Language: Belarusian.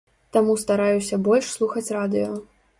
Таму стараюся больш слухаць радыё.